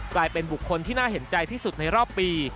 กลายเป็นบุคคลที่น่าเห็นใจที่สุดในรอบปี